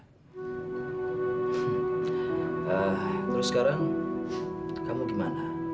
terus sekarang kamu gimana